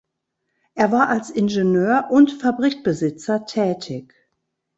Er war als Ingenieur und Fabrikbesitzer tätig.